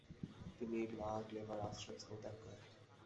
তিনি লা গ্লেভার আশ্রয়স্থল ত্যাগ করেন।